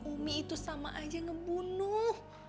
umi itu sama aja ngebunuh